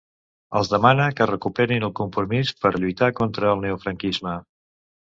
Els demana que recuperin el compromís per ‘lluitar contra el neofranquisme’.